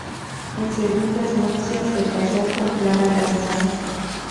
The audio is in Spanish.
En segundas nupcias se casó con Clara Galván.